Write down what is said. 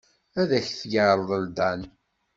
Ad ak-t-yerḍel Dan.